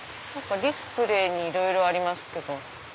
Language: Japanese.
ディスプレーにいろいろありますけど。